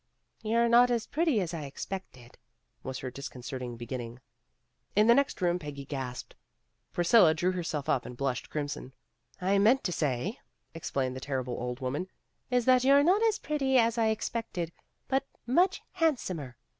"You're not as pretty as I expected," was her disconcerting beginning. In the next room Peggy gasped. Priscilla drew herself up and blushed crimson. "What I meant to say," explained the terri ble old woman, "is that you're not as pretty as I expected, but much handsomer.